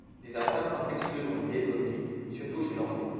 Des atteintes infectieuses ont été évoquées, surtout chez l'enfant.